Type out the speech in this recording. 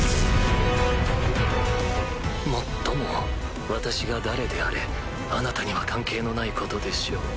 もっとも私が誰であれあなたには関係のないことでしょう？